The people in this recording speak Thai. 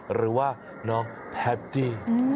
หรือว่าน้องแพตตี้